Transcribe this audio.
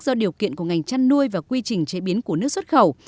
do điều kiện của ngành chăn nuôi và quy trình chế biến của nước xuất khẩu